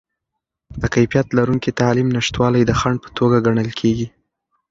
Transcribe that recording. د کیفیت لرونکې تعلیم نشتوالی د خنډ په توګه ګڼل کیږي.